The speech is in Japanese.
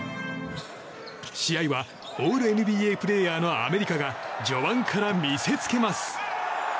試合はオールＮＢＡプレーヤーのアメリカが序盤から見せつけます。